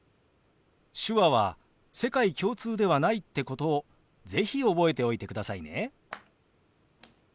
手話は世界共通ではないってことを是非覚えておいてくださいね。